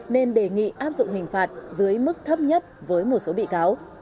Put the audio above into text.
nên đề nghị áp dụng hình phạt dưới mức thấp nhất với một số bị cáo